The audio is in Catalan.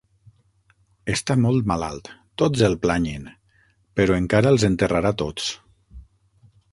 Està molt malalt, tots el planyen, però encara els enterrarà tots.